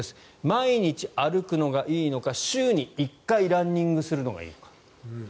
毎日歩くのがいいのか週に１回ランニングするのがいいのか。